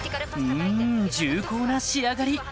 うん重厚な仕上がり